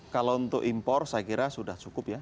kalau untuk impor saya kira sudah cukup ya